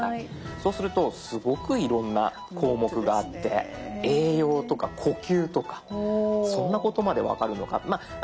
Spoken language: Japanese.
そうするとすごくいろんな項目があって「栄養」とか「呼吸」とかそんなことまで分かるのか。